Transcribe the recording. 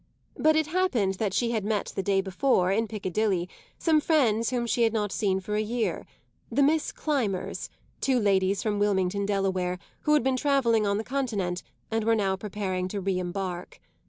But it happened that she had met the day before, in Piccadilly, some friends whom she had not seen for a year: the Miss Climbers, two ladies from Wilmington, Delaware, who had been travelling on the Continent and were now preparing to re embark.